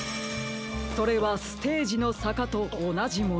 それはステージのさかとおなじもの。